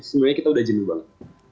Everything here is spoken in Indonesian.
sebenarnya kita udah jenuh banget